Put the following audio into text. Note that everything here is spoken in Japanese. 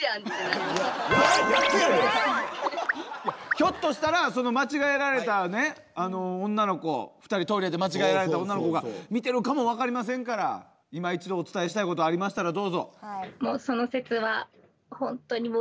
ひょっとしたらその間違えられた女の子２人トイレで間違えられた女の子が見てるかも分かりませんからいま一度お伝えしたいことがありましたらどうぞ。